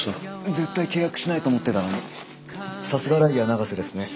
絶対契約しないと思ってたのにさすがライアー永瀬ですね。